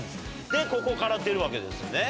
でここから出るわけですね。